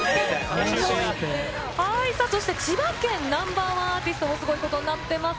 そして、千葉県Ｎｏ．１アーティストもすごいことになってます。